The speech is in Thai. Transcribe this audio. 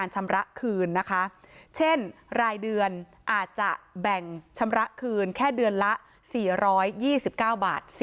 เช่นรายเดือนอาจจะแบ่งชำระคืนแค่เดือนละ๔๒๙บาท